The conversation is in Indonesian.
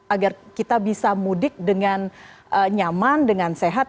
agar kita bisa mudik dengan nyaman dengan sehat